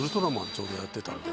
ちょうどやってたんで。